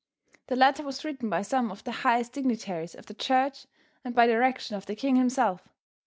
The letter was written by some of the highest dignitaries of the church and by direction of the king himself.